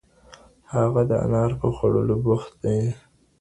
هغه د انار په خوړلو بوخت دی.